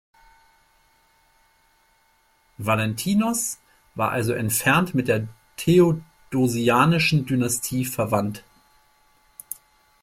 Valentinos war also entfernt mit der Theodosianischen Dynastie verwandt.